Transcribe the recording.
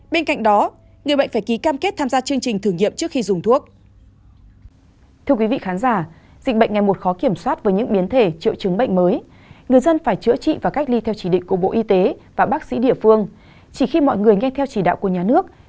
bên cạnh đó người bệnh phải ký cam kết tham gia chương trình thử nghiệm trước khi dùng thuốc